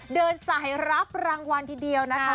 เดินสายรับรางวัลทีเดียวนะคะ